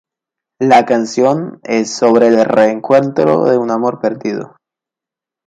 La canción es sobre el reencuentro de un amor perdido.